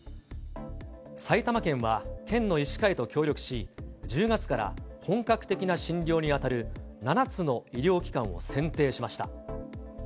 埼玉県は県の医師会と協力し、１０月から本格的な診療に当たる７つの医療機関を選定しました。